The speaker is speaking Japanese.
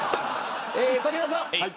武田さん